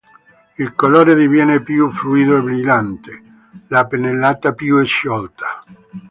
Il colore diviene più fluido e brillante, la pennellata più sciolta.